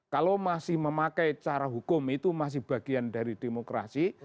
kalau masih memakai cara hukum itu masih bagian dari demokrasi